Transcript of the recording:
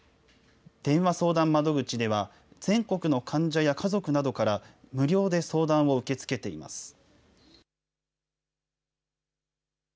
電話相談窓口では、全国の患者や家族などから無料で相談を受け付けています。